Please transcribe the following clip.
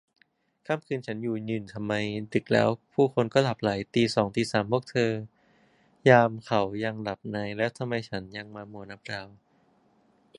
ค่ำคืนฉันยืนอยู่ทำไม ดึกแล้วผู้คนก็หลับใหล ตีสองตีสามพวกยามเขายังหลับใน แล้วทำไมฉันยังมามัวนับดาว